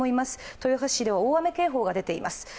豊橋市では大雨警報が出ています。